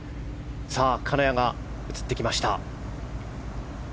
金谷が映ってきました。